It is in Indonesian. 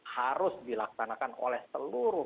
harus dilaksanakan oleh seluruh